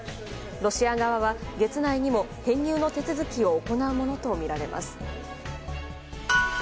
ロシア側は月内にも編入の手続きを行うものとみられます。